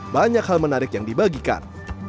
banyak hal menarik yang dibagikan